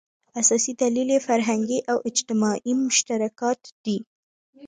اساسي دلیل یې فرهنګي او اجتماعي مشترکات دي.